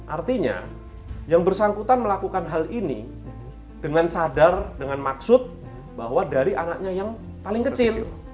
artinya yang bersangkutan melakukan hal ini dengan sadar dengan maksud bahwa dari anaknya yang paling kecil